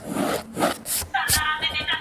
زده کوونکي په صنف کي په خپلو لپټاپونو کار کوي.